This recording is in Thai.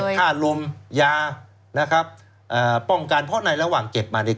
ค่าเก็บค่าลุมยานะครับป้องกันเพราะในระหว่างเก็บมาเนี่ย